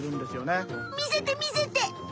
みせてみせて！